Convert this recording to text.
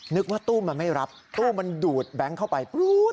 นึกว่าตู้มันไม่รับตู้มันดูดแบงค์เข้าไป